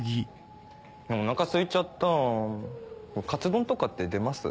お腹すいちゃったカツ丼とかって出ます？